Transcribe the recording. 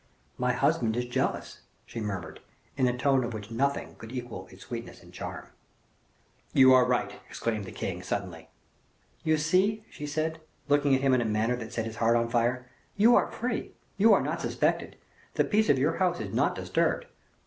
"My husband is jealous," she murmured, in a tone of which nothing could equal its sweetness and charm. "You are right," exclaimed the king, suddenly. "You see," she said, looking at him in a manner that set his heart on fire, "you are free, you are not suspected, the peace of your house is not disturbed."